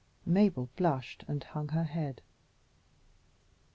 Mabel blushed, and hung her head.